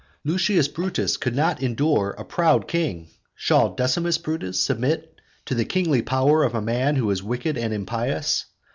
Lucius Brutus could not endure a proud king. Shall Decimus Brutus submit to the kingly power of a man who is wicked and impious?